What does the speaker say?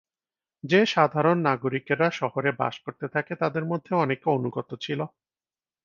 যে-সাধারণ নাগরিকরা শহরে বাস করতে থাকে, তাদের মধ্যে অনেকে অনুগত ছিল।